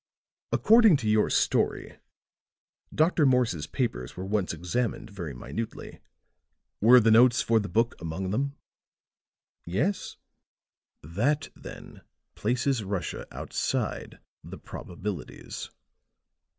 According to your story, Dr. Morse's papers were once examined very minutely. Were the notes for the book among them?" "Yes." "That then places Russia outside the probabilities.